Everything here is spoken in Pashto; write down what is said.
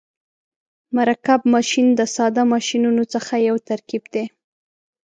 مرکب ماشین د ساده ماشینونو څخه یو ترکیب دی.